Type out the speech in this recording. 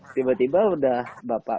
tiba tiba udah bapak